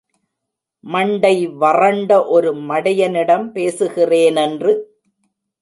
மண்டை வறண்ட ஒரு மடையனிடம் பேசுறேனென்று.